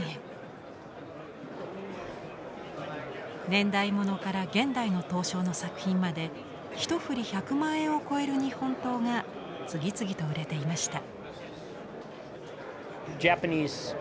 年代物から現代の刀匠の作品まで１ふり１００万円を超える日本刀が次々と売れていました。